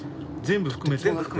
全部含めてです。